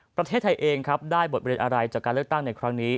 ประเทศไทยเองครับได้บทเรียนอะไรจากการเลือกตั้งในครั้งนี้